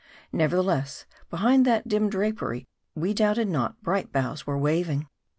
Nevertheless, behind that dim drapery we doubt ed not bright boughs were waving.